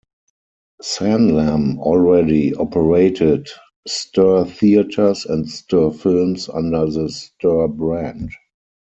Sanlam already operated Ster Theatres and Ster Films under the Ster brand.